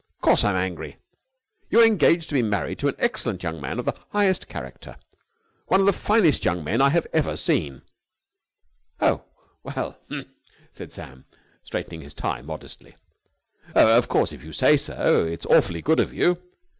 Of course I'm angry! You are engaged to be married to an excellent young man of the highest character, one of the finest young men I have ever met...." "Oh, well!" said Sam, straightening his tie modestly. "Of course, if you say so ... It's awfully good of you...."